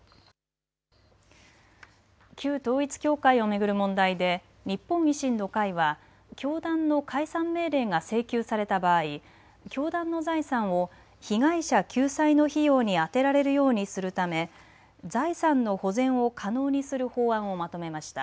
旧統一教会を巡る問題で日本維新の会は教団の解散命令が請求された場合、教団の財産を被害者救済の費用に充てられるようにするため財産の保全を可能にする法案をまとめました。